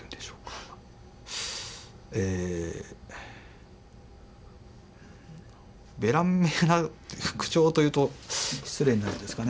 えべらんめえな口調というと失礼になるんですかね。